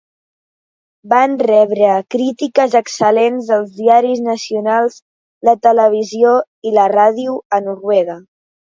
Van rebre crítiques excel·lents dels diaris nacionals, la televisió i la ràdio a Noruega.